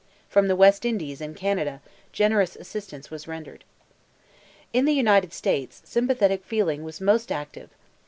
From the West Indies and Canada, generous assistance was rendered. In the United States sympathetic feeling was most active.